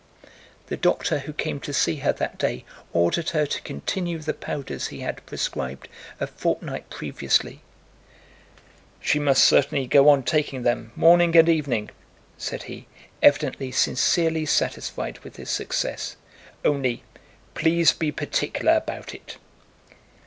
The doctor who came to see her that day ordered her to continue the powders he had prescribed a fortnight previously. "She must certainly go on taking them morning and evening," said he, evidently sincerely satisfied with his success. "Only, please be particular about it.